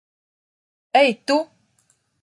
Ei, tu!